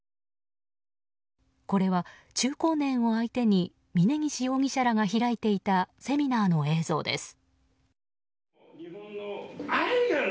これは中高年を相手に峯岸容疑者らが開いていたセミナーの映像です。